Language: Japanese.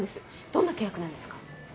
どんな契約なんですか？